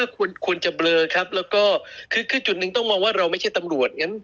ควรจะเบลอครับคือจุดนึงต้องมองว่าเราไม่ใช่ตำรวจ